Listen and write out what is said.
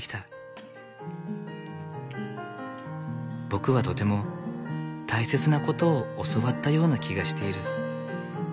僕はとても大切なことを教わったような気がしている。